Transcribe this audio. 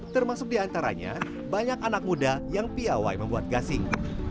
termasuk diantaranya banyak anak muda yang piawai membuat gasing